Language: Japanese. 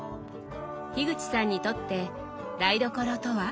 口さんにとって台所とは？